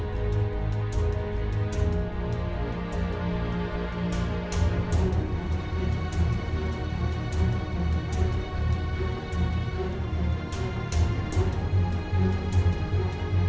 tinggal ku asing ke egenkai wayangest hypothetical